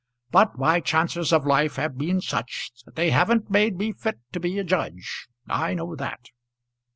But my chances of life have been such that they haven't made me fit to be a judge. I know that."